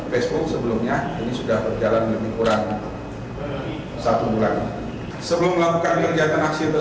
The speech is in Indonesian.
facebook sebelumnya ini sudah berjalan lebih kurang satu bulan